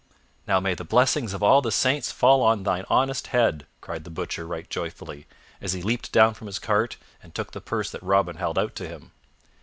"Now may the blessings of all the saints fall on thine honest head!" cried the Butcher right joyfully, as he leaped down from his cart and took the purse that Robin held out to him.